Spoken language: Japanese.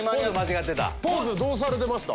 ポーズどうされてました？